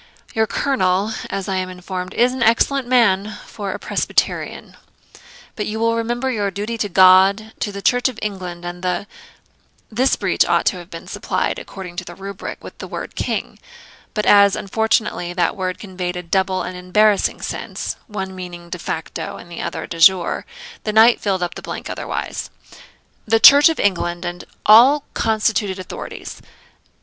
Your colonel, as I am informed, is an excellent man for a Presbyterian; but you will remember your duty to God, the Church of England, and the ' (this breach ought to have been supplied, according to the rubric, with the word KING; but as, unfortunately, that word conveyed a double and embarrassing sense, one meaning de facto and the other de jure, the knight filled up the blank otherwise) 'the Church of England, and all constituted authorities.'